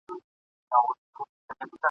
جهاني در څخه ولاړم پر جانان مي سلام وایه ..